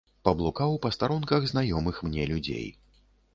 Паблукаў па старонках знаёмых мне людзей.